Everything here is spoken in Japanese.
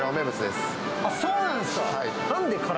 そうなんですか。